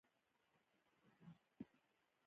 د شوروي مشرانو وضعیت د کابو کولو ګڼله